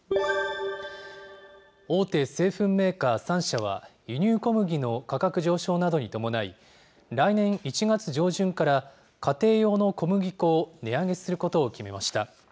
大手製粉メーカー３社は、輸入小麦の価格上昇などに伴い、来年１月上旬から、家庭用の小麦粉を値上げすることを決めました。